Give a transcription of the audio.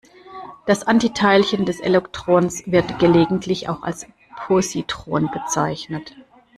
Das Antiteilchen des Elektrons wird gelegentlich auch als Positron bezeichnet.